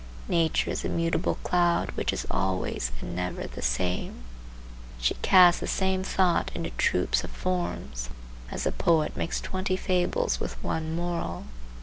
Nature is a mutable cloud which is always and never the same. She casts the same thought into troops of forms, as a poet makes twenty fables with one moral.